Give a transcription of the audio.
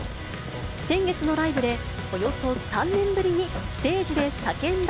先月のライブで、およそ３年ぶりにステージで叫んだ